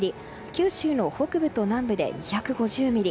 九州の北部と南部で２５０ミリ